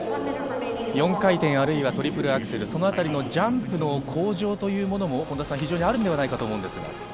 ４回転あるいはトリプルアクセル、そのあたりのジャンプの向上というものもあるんではないかと思います。